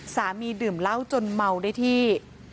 สามีดื่มเหล้าจนเมาได้ที่